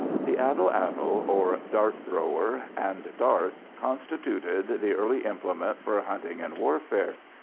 The atlatl, or dart thrower, and dart constituted the early implement for hunting and warfare.